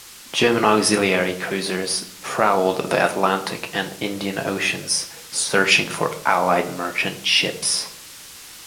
German auxiliary cruisers prowled the Atlantic and Indian Oceans searching for Allied merchant ships.